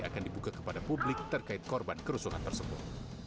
akan dibuka kepada publik terkait korban kerusuhan tersebut